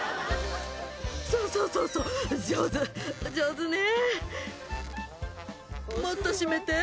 そうそうそうそう上手上手ね